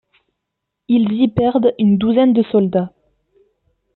Ils y perdent une douzaine de soldats.